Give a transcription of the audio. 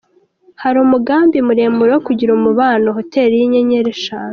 Hari umugambi muremure wo kugira umubano hotel y’inyenyeri eshanu.